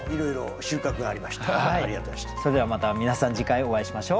それではまた皆さん次回お会いしましょう。